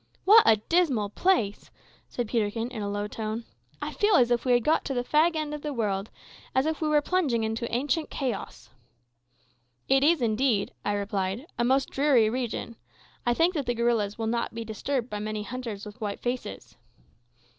"What a dismal place!" said Peterkin, in a low tone. "I feel as if we had got to the fag end of the world, as if we were about plunging into ancient chaos." "It is, indeed," I replied, "a most dreary region. I think that the gorillas will not be disturbed by many hunters with white faces."